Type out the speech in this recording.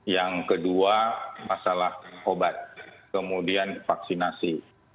yang kedua masalah obat kemudian vaksinasi